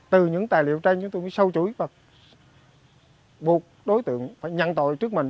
từ những tài liệu tranh chúng tôi mới sâu chuối và buộc đối tượng phải nhận tội trước mình